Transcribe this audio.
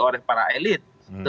oleh para elit